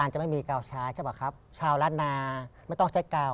จะไม่มีกาวช้าใช่ป่ะครับชาวรัฐนาไม่ต้องใช้กาว